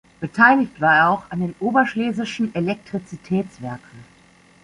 Beteiligt war er auch an den "Oberschlesischen Elektrizitätswerken".